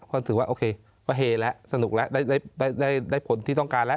ความถือว่าโอเคก็เฮละสนุกแล้วได้ได้ได้ได้ได้ผลที่ต้องการแล้ว